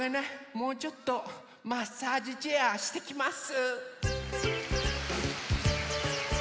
もうちょっとマッサージチェアしてきます。